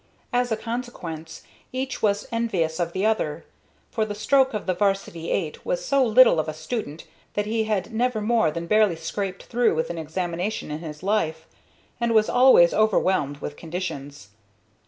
As a consequence, each was envious of the other, for the stroke of the 'varsity eight was so little of a student that he had never more than barely scraped through with an examination in his life, and was always overwhelmed with conditions.